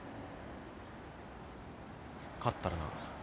勝ったらな。